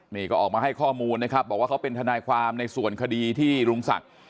นี่ก็ออกมาให้ข้อมูลนะครับบอกว่าเขาเป็นทนายความในส่วนคดีที่ลุงศักดิ์